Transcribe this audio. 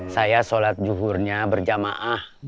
saya sholat zuhurnya berjamaah